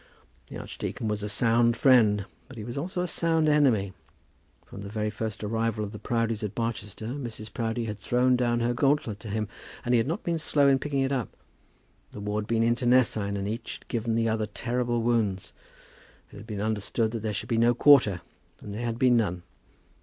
The archdeacon was a sound friend; but he was also a sound enemy. From the very first arrival of the Proudies at Barchester, Mrs. Proudie had thrown down her gauntlet to him, and he had not been slow in picking it up. The war had been internecine, and each had given the other terrible wounds. It had been understood that there should be no quarter, and there had been none.